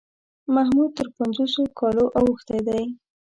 محمود تر پنځوسو کالو اوښتی دی.